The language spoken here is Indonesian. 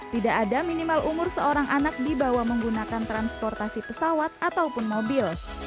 tidak ada minimal umur seorang anak dibawa menggunakan transportasi pesawat ataupun mobil